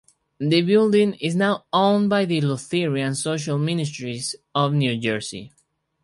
The building is now owned by the Lutheran Social Ministries of New Jersey.